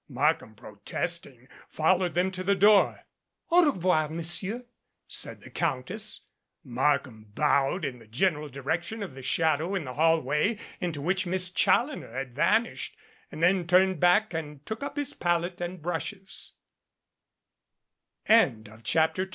Markham, protesting, followed them to the door. "Au revoir, Monsieur," said the Countess. Markham bowed in the general direction of the shadow in the hallway into which Miss Challoner had van ished and then turned back and took up his palette